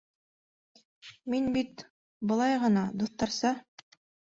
Мин бит... былай ғына, дуҫтарса.